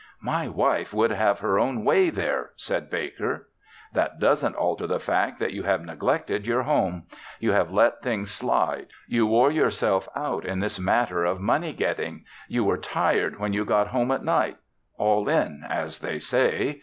"My wife would have her own way there," said Baker. "That doesn't alter the fact that you have neglected your home. You have let things slide. You wore yourself out in this matter of money getting. You were tired when you got home at night all in, as they say.